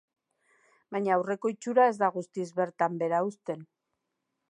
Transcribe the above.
Baina aurreko itxura ez da guztiz bertan behera uzten.